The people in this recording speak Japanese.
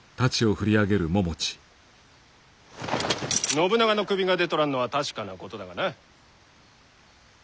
信長の首が出とらんのは確かなことだがな。